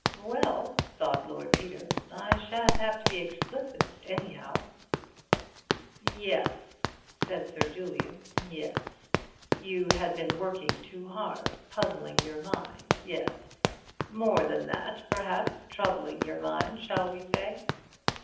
"Well," thought Lord Peter, "I shan't have to be explicit, anyhow." "Yes," said Sir Julian, "yes. You had been working too hard. Puzzling your mind. Yes. More than that, perhaps—troubling your mind, shall we say?"